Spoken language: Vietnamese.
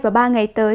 và ba ngày tới